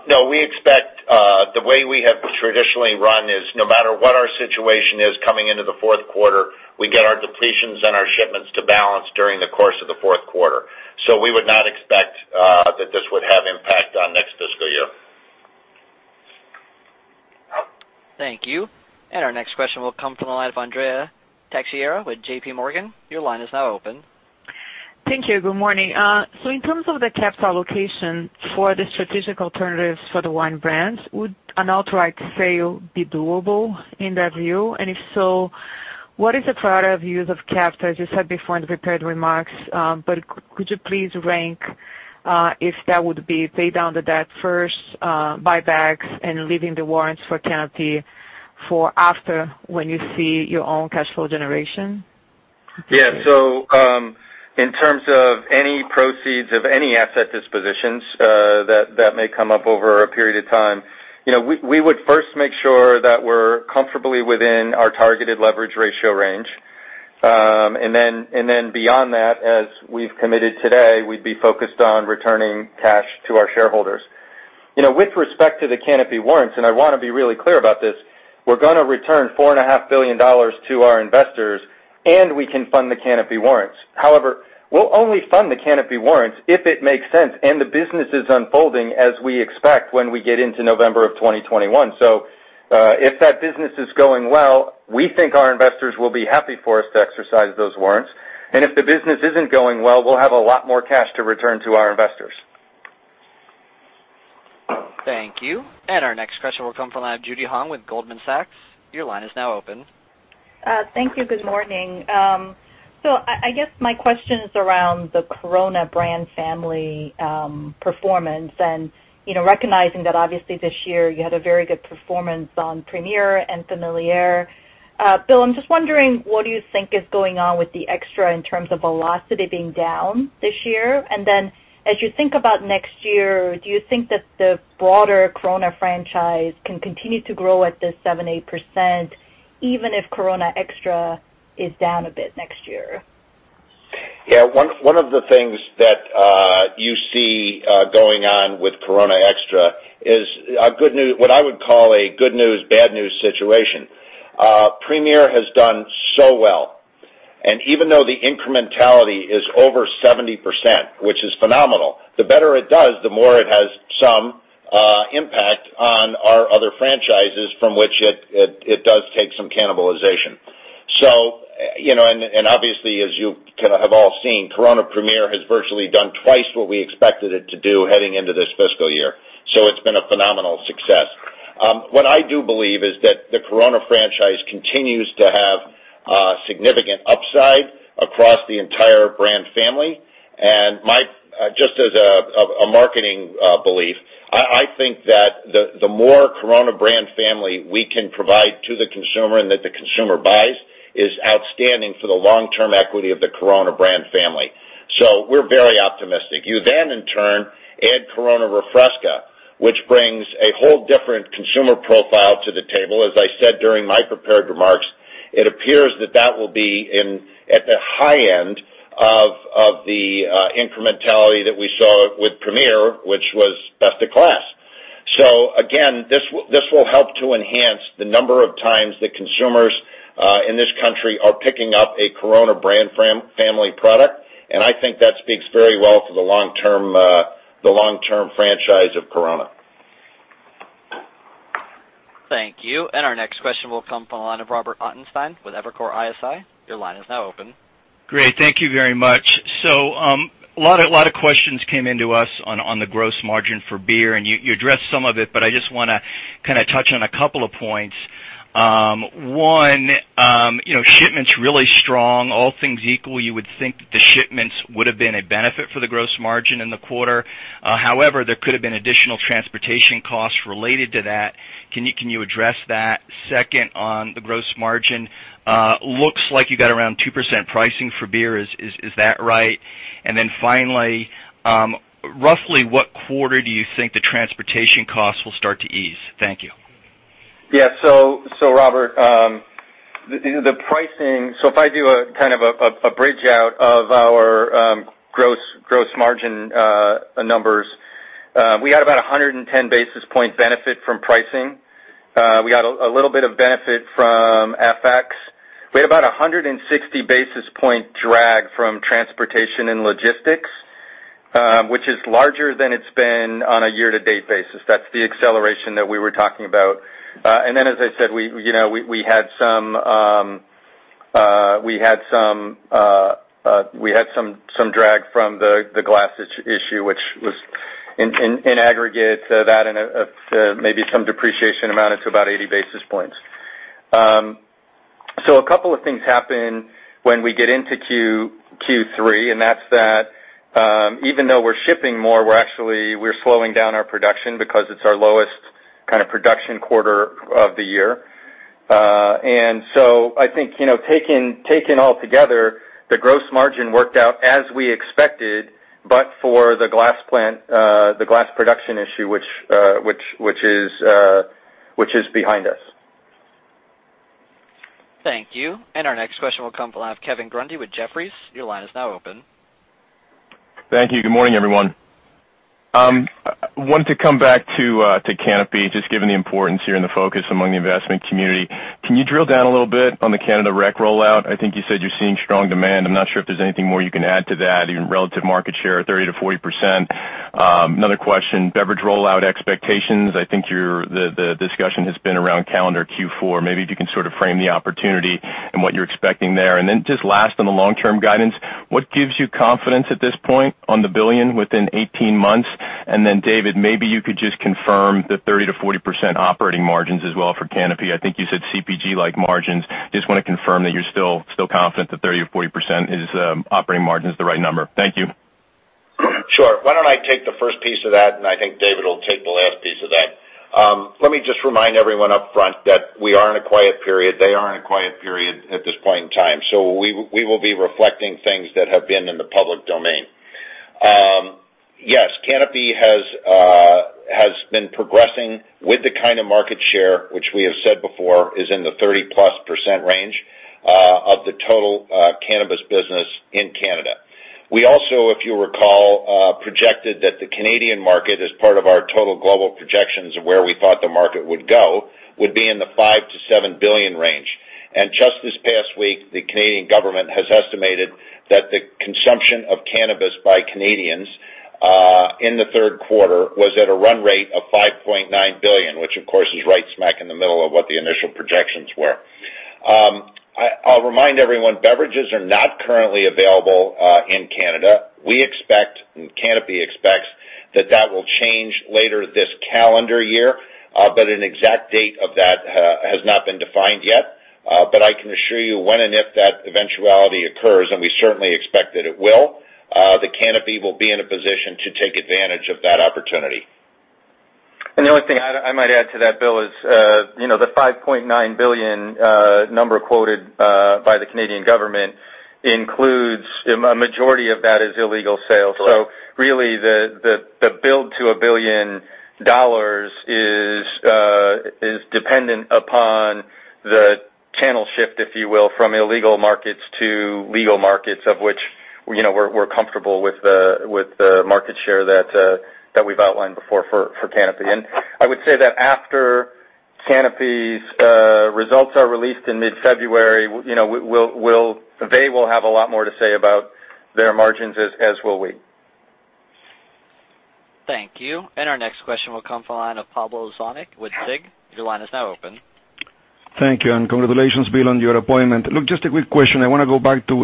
No, we expect the way we have traditionally run is no matter what our situation is coming into the fourth quarter, we get our depletions and our shipments to balance during the course of the fourth quarter. We would not expect that this would have impact on next fiscal year. Thank you. Our next question will come from the line of Andrea Teixeira with JPMorgan. Your line is now open. Thank you. Good morning. In terms of the capital allocation for the strategic alternatives for the wine brands, would an outright sale be doable in that view? If so, what is the priority of use of capital? As you said before in the prepared remarks, could you please rank if that would be pay down the debt first, buybacks, and leaving the warrants for Canopy for after when you see your own cash flow generation? In terms of any proceeds of any asset dispositions that may come up over a period of time, we would first make sure that we're comfortably within our targeted leverage ratio range. Beyond that, as we've committed today, we'd be focused on returning cash to our shareholders. With respect to the Canopy warrants, I want to be really clear about this, we're going to return $4.5 billion to our investors, and we can fund the Canopy warrants. However, we'll only fund the Canopy warrants if it makes sense and the business is unfolding as we expect when we get into November of 2021. If that business is going well, we think our investors will be happy for us to exercise those warrants. If the business isn't going well, we'll have a lot more cash to return to our investors. Thank you. Our next question will come from the line of Judy Hong with Goldman Sachs. Your line is now open. Thank you. Good morning. I guess my question is around the Corona brand family performance, and recognizing that obviously this year you had a very good performance on Premier and Familiar. Bill, I'm just wondering, what do you think is going on with the Extra in terms of velocity being down this year? Then as you think about next year, do you think that the broader Corona franchise can continue to grow at this 7%-8%, even if Corona Extra is down a bit next year? Yeah. One of the things that you see going on with Corona Extra is what I would call a good news, bad news situation. Premier has done so well, and even though the incrementality is over 70%, which is phenomenal, the better it does, the more it has some impact on our other franchises from which it does take some cannibalization. Obviously, as you have all seen, Corona Premier has virtually done twice what we expected it to do heading into this fiscal year. It's been a phenomenal success. What I do believe is that the Corona franchise continues to have significant upside across the entire brand family. Just as a marketing belief, I think that the more Corona brand family we can provide to the consumer and that the consumer buys is outstanding for the long-term equity of the Corona brand family. We're very optimistic. You in turn add Corona Refresca, which brings a whole different consumer profile to the table. As I said during my prepared remarks, it appears that that will be at the high end of the incrementality that we saw with Premier, which was best in class. Again, this will help to enhance the number of times that consumers in this country are picking up a Corona brand family product, and I think that speaks very well for the long-term franchise of Corona. Thank you. Our next question will come from the line of Robert Ottenstein with Evercore ISI. Your line is now open. Great. Thank you very much. A lot of questions came into us on the gross margin for beer, and you addressed some of it, but I just want to touch on a couple of points. One, shipments really strong. All things equal, you would think that the shipments would have been a benefit for the gross margin in the quarter. However, there could have been additional transportation costs related to that. Can you address that? Second, on the gross margin, looks like you got around 2% pricing for beer. Is that right? Finally, roughly what quarter do you think the transportation costs will start to ease? Thank you. Yeah. Robert, if I do a kind of a bridge out of our gross margin numbers, we had about 110 basis points benefit from pricing. We got a little bit of benefit from FX. We had about 160 basis points drag from transportation and logistics, which is larger than it's been on a year-to-date basis. That's the acceleration that we were talking about. Then, as I said, we had some drag from the glass issue, which was in aggregate, that and maybe some depreciation amount, it's about 80 basis points. A couple of things happen when we get into Q3, and that's that even though we're shipping more, we're slowing down our production because it's our lowest kind of production quarter of the year. I think, taken altogether, the gross margin worked out as we expected, but for the glass production issue, which is behind us. Thank you. Our next question will come from Kevin Grundy with Jefferies. Your line is now open. Thank you. Good morning, everyone. I wanted to come back to Canopy, just given the importance here and the focus among the investment community. Can you drill down a little bit on the Canada rec rollout? I think you said you're seeing strong demand. I am not sure if there is anything more you can add to that, even relative market share of 30%-40%. Another question, beverage rollout expectations. I think the discussion has been around calendar Q4. If you can sort of frame the opportunity and what you are expecting there. Just last, on the long-term guidance, what gives you confidence at this point on the 1 billion within 18 months? David, maybe you could just confirm the 30%-40% operating margins as well for Canopy. I think you said CPG-like margins. Just want to confirm that you are still confident that 30% or 40% operating margin is the right number. Thank you. Sure. Why don't I take the first piece of that, and I think David will take the last piece of that. Let me just remind everyone up front that we are in a quiet period. They are in a quiet period at this point in time. We will be reflecting things that have been in the public domain. Yes, Canopy has been progressing with the kind of market share which we have said before is in the 30%-plus range of the total cannabis business in Canada. We also, if you recall, projected that the Canadian market, as part of our total global projections of where we thought the market would go, would be in the 5 billion-7 billion range. Just this past week, the Canadian government has estimated that the consumption of cannabis by Canadians in the third quarter was at a run rate of 5.9 billion, which of course is right smack in the middle of what the initial projections were. I will remind everyone, beverages are not currently available in Canada. We expect, and Canopy expects, that that will change later this calendar year, an exact date of that has not been defined yet. I can assure you when and if that eventuality occurs, and we certainly expect that it will, that Canopy will be in a position to take advantage of that opportunity. The only thing I might add to that, Bill, is the $5.9 billion number quoted by the Canadian government, a majority of that is illegal sales. Correct. Really the build to $1 billion is dependent upon the channel shift, if you will, from illegal markets to legal markets, of which we are comfortable with the market share that we have outlined before for Canopy. I would say that after Canopy's results are released in mid-February, they will have a lot more to say about their margins as will we. Thank you. Our next question will come from the line of Pablo Zuanic with SIG. Your line is now open. Thank you, congratulations, Bill, on your appointment. Look, just a quick question. I want to go back to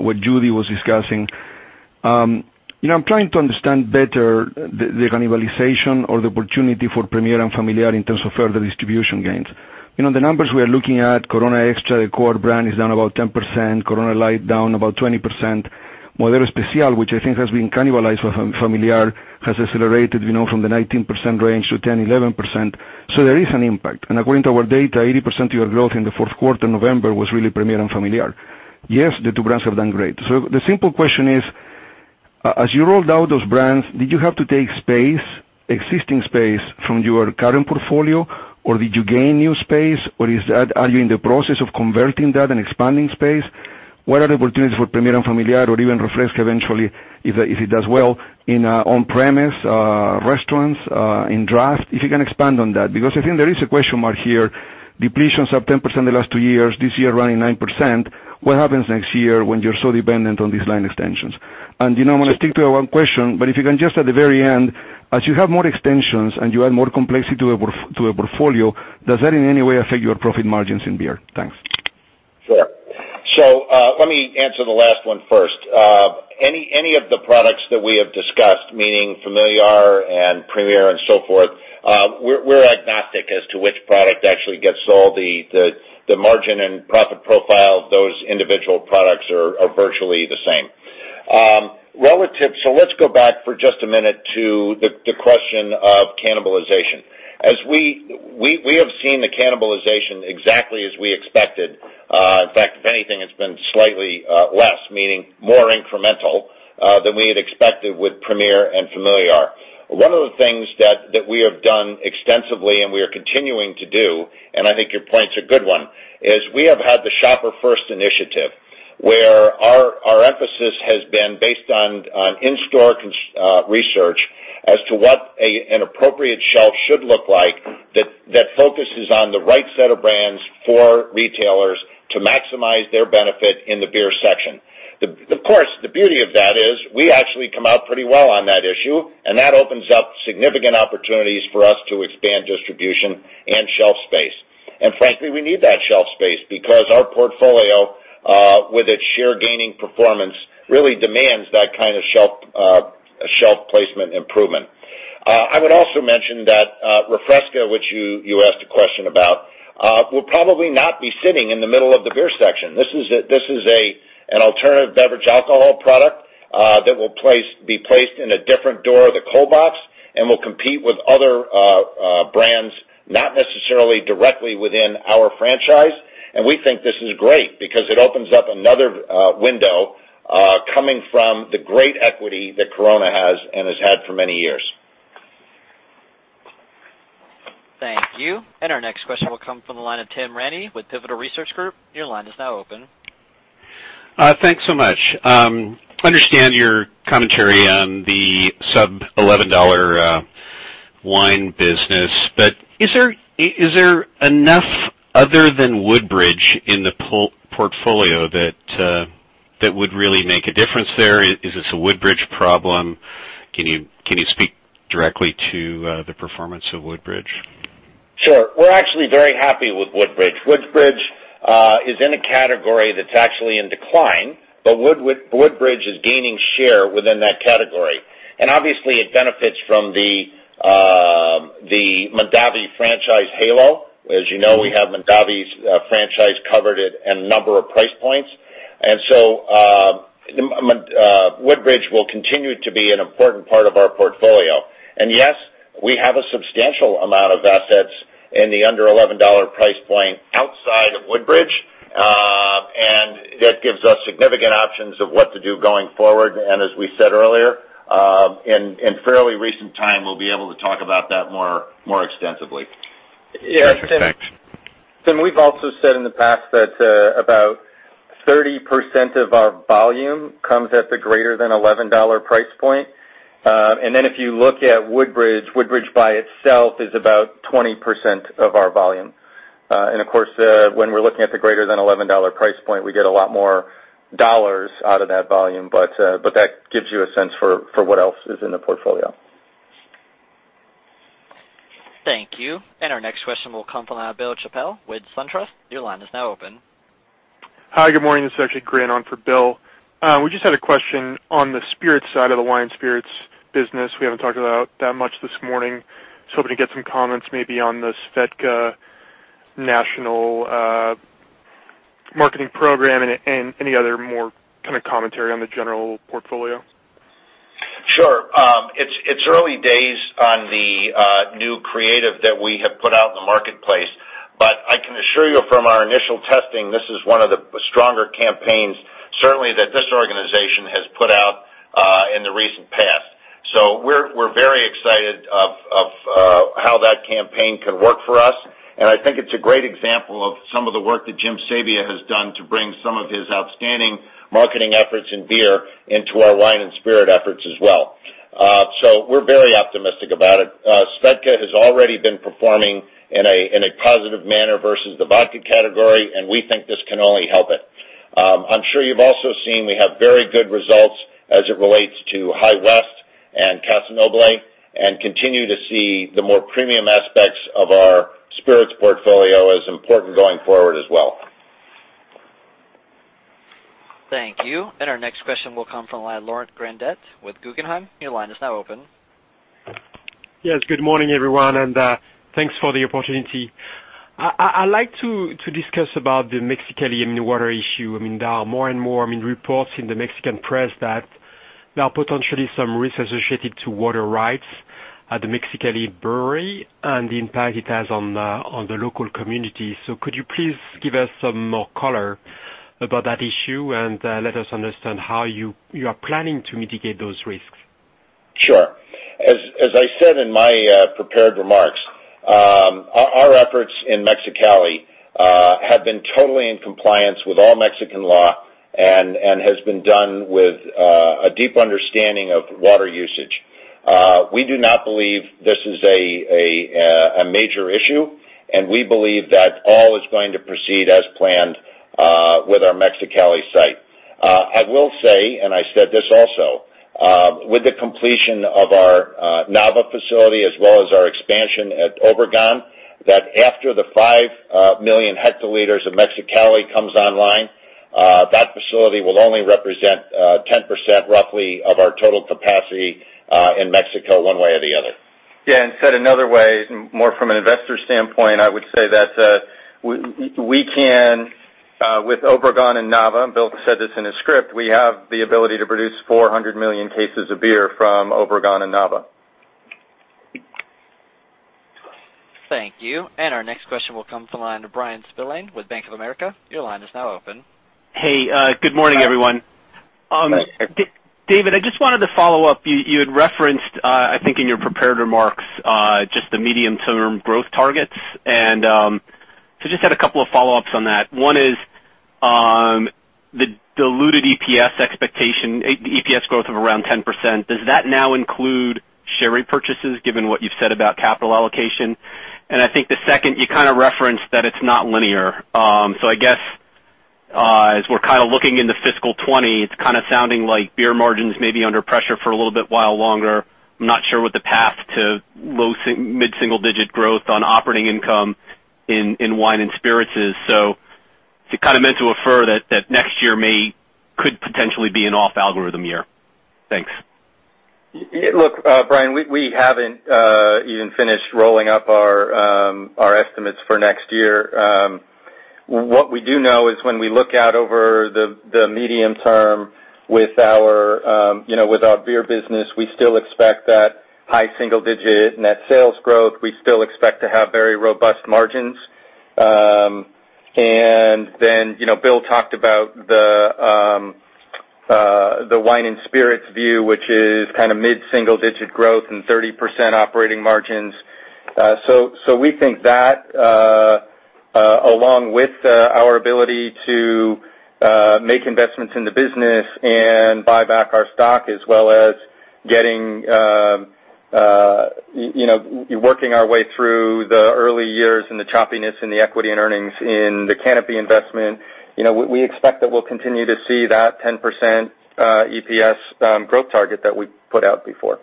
what Judy was discussing. I am trying to understand better the cannibalization or the opportunity for Premier and Familiar in terms of further distribution gains. The numbers we are looking at, Corona Extra, the core brand, is down about 10%, Corona Light down about 20%. Modelo Especial, which I think has been cannibalized with Familiar, has accelerated from the 19% range to 10%-11%. There is an impact. According to our data, 80% of your growth in the fourth quarter, November, was really Premier and Familiar. Yes, the two brands have done great. The simple question is, as you rolled out those brands, did you have to take space, existing space, from your current portfolio, or did you gain new space, or are you in the process of converting that and expanding space? What are the opportunities for Premier and Familiar or even Refresca eventually, if it does well in on-premise restaurants, in draft? If you can expand on that, because I think there is a question mark here. Depletions up 10% the last 2 years, this year running 9%. What happens next year when you're so dependent on these line extensions? I'm going to stick to the one question, but if you can just at the very end, as you have more extensions and you add more complexity to a portfolio, does that in any way affect your profit margins in beer? Thanks. Sure. Let me answer the last one first. Any of the products that we have discussed, meaning Familiar and Premier and so forth, we're agnostic as to which product actually gets sold. The margin and profit profile of those individual products are virtually the same. Let's go back for just a minute to the question of cannibalization. We have seen the cannibalization exactly as we expected. In fact, if anything, it's been slightly less, meaning more incremental, than we had expected with Premier and Familiar. One of the things that we have done extensively and we are continuing to do, and I think your point's a good one, is we have had the Shopper-First Shelf initiative. Our emphasis has been based on in-store research as to what an appropriate shelf should look like that focuses on the right set of brands for retailers to maximize their benefit in the beer section. Of course, the beauty of that is we actually come out pretty well on that issue, and that opens up significant opportunities for us to expand distribution and shelf space. Frankly, we need that shelf space because our portfolio, with its share gaining performance, really demands that kind of shelf placement improvement. I would also mention that Refresca, which you asked a question about, will probably not be sitting in the middle of the beer section. This is an alternative beverage alcohol product that will be placed in a different door of the cold box, and will compete with other brands, not necessarily directly within our franchise. We think this is great because it opens up another window coming from the great equity that Corona has and has had for many years. Thank you. Our next question will come from the line of Timothy Ramey with Pivotal Research Group. Your line is now open. Thanks so much. Understand your commentary on the sub-$11 wine business, is there enough other than Woodbridge in the portfolio that would really make a difference there? Is this a Woodbridge problem? Can you speak directly to the performance of Woodbridge? Sure. We're actually very happy with Woodbridge. Woodbridge is in a category that's actually in decline. Woodbridge is gaining share within that category. Obviously, it benefits from the Mondavi franchise halo. As you know, we have Mondavi's franchise covered at a number of price points. So Woodbridge will continue to be an important part of our portfolio. Yes, we have a substantial amount of assets in the under $11 price point outside of Woodbridge. That gives us significant options of what to do going forward. As we said earlier, in fairly recent time, we'll be able to talk about that more extensively. Yes. Thanks. Tim, we've also said in the past that about 30% of our volume comes at the greater than $11 price point. If you look at Woodbridge by itself is about 20% of our volume. When we're looking at the greater than $11 price point, we get a lot more dollars out of that volume. That gives you a sense for what else is in the portfolio. Thank you. Our next question will come from Bill Chappell with SunTrust. Your line is now open. Hi, good morning. This is actually Grant on for Bill. We just had a question on the spirits side of the wine and spirits business. We haven't talked about that much this morning. Just hoping to get some comments maybe on the Svedka national marketing program and any other more kind of commentary on the general portfolio. Sure. It's early days on the new creative that we have put out in the marketplace. I can assure you from our initial testing, this is one of the stronger campaigns, certainly that this organization has put out in the recent past. We're very excited of how that campaign can work for us, I think it's a great example of some of the work that Jim Sabia has done to bring some of his outstanding marketing efforts in beer into our wine and spirit efforts as well. We're very optimistic about it. Svedka has already been performing in a positive manner versus the vodka category, we think this can only help it. I'm sure you've also seen we have very good results as it relates to High West and Casa Noble, and continue to see the more premium aspects of our spirits portfolio as important going forward as well. Thank you. Our next question will come from Laurent Grandet with Guggenheim. Your line is now open. Yes. Good morning, everyone, and thanks for the opportunity. I'd like to discuss about the Mexicali water issue. There are more and more reports in the Mexican press that there are potentially some risks associated to water rights at the Mexicali brewery and the impact it has on the local community. Could you please give us some more color about that issue and let us understand how you are planning to mitigate those risks? Sure. As I said in my prepared remarks, our efforts in Mexicali have been totally in compliance with all Mexican law and has been done with a deep understanding of water usage. We do not believe this is a major issue, and we believe that all is going to proceed as planned with our Mexicali site. I will say, and I said this also, with the completion of our Nava facility, as well as our expansion at Obregon, that after the five million hectoliters of Mexicali comes online, that facility will only represent 10% roughly of our total capacity in Mexico one way or the other. Said another way, more from an investor standpoint, I would say that we can, with Obregón and Nava, Bill said this in his script, we have the ability to produce 400 million cases of beer from Obregón and Nava. Thank you. Our next question will come from the line of Bryan Spillane with Bank of America. Your line is now open. Hey, good morning, everyone. David, I just wanted to follow up. You had referenced, I think in your prepared remarks, just the medium-term growth targets. Just had a couple of follow-ups on that. One is the diluted EPS expectation, EPS growth of around 10%. Does that now include share repurchases, given what you've said about capital allocation? I think the second, you kind of referenced that it's not linear. I guess, as we're kind of looking into fiscal 2020, it's kind of sounding like beer margins may be under pressure for a little bit while longer. I'm not sure what the path to low mid-single-digit growth on operating income in wine and spirits is. To kind of meant to refer that next year could potentially be an off-algorithm year. Thanks. Look, Bryan, we haven't even finished rolling up our estimates for next year. What we do know is when we look out over the medium term with our beer business, we still expect that high single-digit net sales growth. We still expect to have very robust margins. Bill talked about the wine and spirits view, which is kind of mid-single-digit growth and 30% operating margins. We think that, along with our ability to make investments in the business and buy back our stock, as well as working our way through the early years and the choppiness in the equity and earnings in the Canopy investment. We expect that we'll continue to see that 10% EPS growth target that we put out before.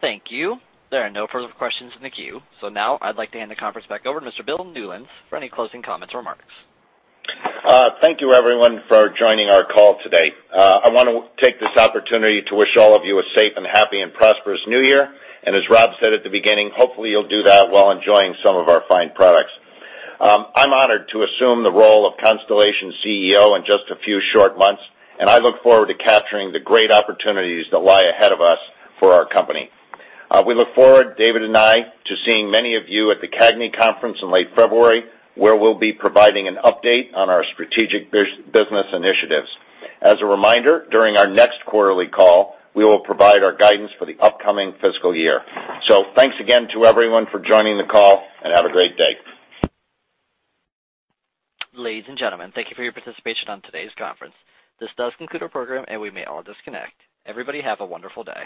Thank you. There are no further questions in the queue. Now I'd like to hand the conference back over to Mr. Bill Newlands for any closing comments or remarks. Thank you everyone for joining our call today. I want to take this opportunity to wish all of you a safe and happy and prosperous New Year. As Rob said at the beginning, hopefully you'll do that while enjoying some of our fine products. I'm honored to assume the role of Constellation CEO in just a few short months. I look forward to capturing the great opportunities that lie ahead of us for our company. We look forward, David and I, to seeing many of you at the CAGNY Conference in late February, where we'll be providing an update on our strategic business initiatives. As a reminder, during our next quarterly call, we will provide our guidance for the upcoming fiscal year. Thanks again to everyone for joining the call and have a great day. Ladies and gentlemen, thank you for your participation on today's conference. This does conclude our program. We may all disconnect. Everybody have a wonderful day.